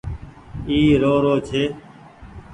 اي رو رو ڇي ۔